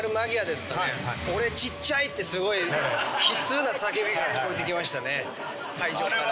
「俺ちっちゃい！」ってすごい悲痛な叫びが聞こえてきましたね。